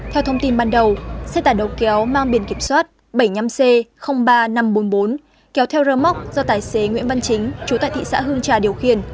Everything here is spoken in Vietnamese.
theo thông tin ban đầu xe tải đầu kéo mang biển kiểm soát bảy mươi năm c ba năm trăm bốn mươi bốn kéo theo rơ móc do tài xế nguyễn văn chính